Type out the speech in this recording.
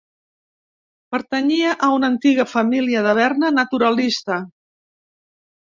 Pertanyia a una antiga família de Berna naturalista.